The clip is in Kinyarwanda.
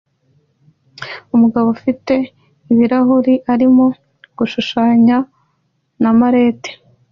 Umugabo ufite ibirahuri arimo gushushanya na mallet